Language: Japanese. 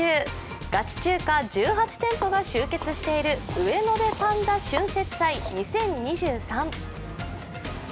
ガチ中華１８店舗が集結しているウエノデ．パンダ春節祭２０２３。